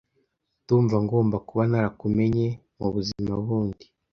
Ndumva ngomba kuba narakumenye mubuzima bundi